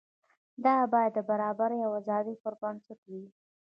دا باید د برابرۍ او ازادۍ پر بنسټ وي.